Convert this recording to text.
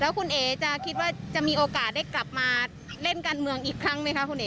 คุณเอ๋จะคิดว่าจะมีโอกาสได้กลับมาเล่นการเมืองอีกครั้งไหมคะคุณเอ๋